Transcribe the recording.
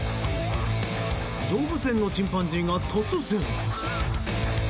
動物園のチンパンジーが突然。